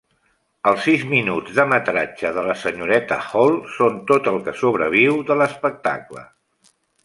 Els sis minuts de metratge de la Senyoreta Hall són tot el que sobreviu de l'espectacle.